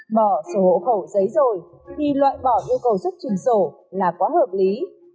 bỏ sổ hộ khẩu giấy rồi thì loại bỏ nhu cầu xuất trình sổ là quá hợp lý